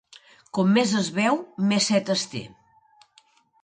Com més es beu, més set es té.